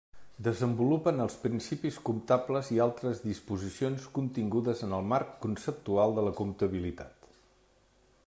Desenvolupen els principis comptables i altres disposicions contingudes en el Marc Conceptual de la Comptabilitat.